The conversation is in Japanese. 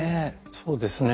そうですね。